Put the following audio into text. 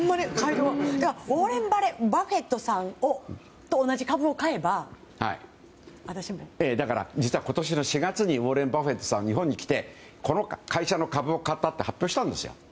ウォーレン・バフェットさんと同じ株を買えば実は今年の４月にウォーレン・バフェットさん日本に来てこの会社の株を買ったって発表したんですよ。